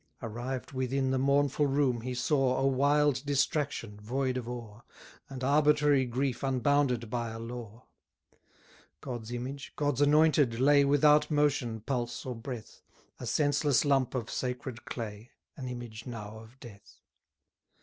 Arrived within the mournful room, he saw A wild distraction, void of awe, And arbitrary grief unbounded by a law. God's image, God's anointed lay Without motion, pulse, or breath, A senseless lump of sacred clay, An image now of death.